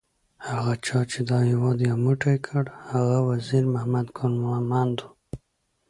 هغه چا چې دا هیواد یو موټی کړ هغه وزیر محمد ګل مومند وو